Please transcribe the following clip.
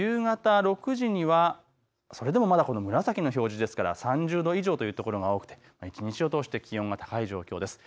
夕方６時にはそれでもまだこの紫の表示ですから３０度以上という所が多くて一日を通して気温が高い状況です。